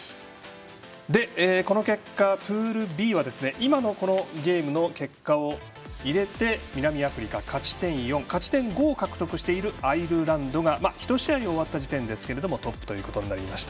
この結果、プールＢは今の、このゲームの結果を入れて南アフリカ、勝ち点４勝ち点５を獲得しているアイルランドが１試合終わった時点ですがトップということになりました。